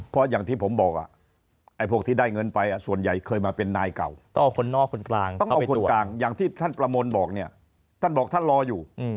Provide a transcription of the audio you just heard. เพราะอย่างที่ผมบอกไอ้พวกที่ได้เงินไปส่วนใหญ่เคยมาเป็นนายเก่าต้องเอาคนนอกคนกลางต้องเอาคนกลางอย่างที่ท่านประมลบอกเนี่ยท่านบอกท่านรออยู่